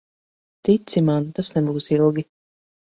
Tici man, tas nebūs ilgi.